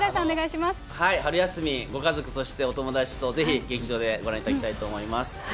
春休み、ご家族、そしてお友達とぜひ劇場でご覧いただきたいと思います。